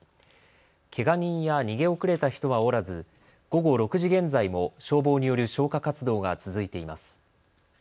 けが人や逃げ遅れた人はおらず午後６時現在も消防による消火活動が続いています。